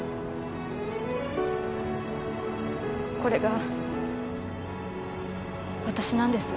これが私なんです。